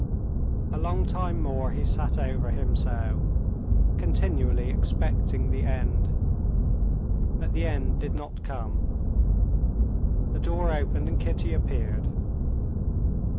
A long time more he sat over him so, continually expecting the end. But the end did not come. The door opened and Kitty appeared.